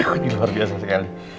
waduh luar biasa sekali